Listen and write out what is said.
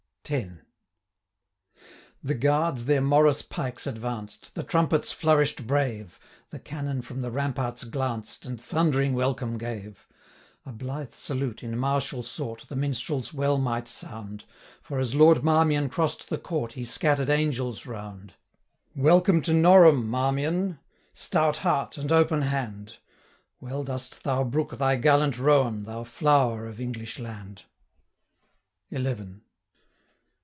X. The guards their morrice pikes advanced, The trumpets flourish'd brave, 140 The cannon from the ramparts glanced, And thundering welcome gave. A blithe salute, in martial sort, The minstrels well might sound, For, as Lord Marmion cross'd the court, 145 He scatter'd angels round. 'Welcome to Norham, Marmion! Stout heart, and open hand! Well dost thou brook thy gallant roan, Thou flower of English land!' 150 XI.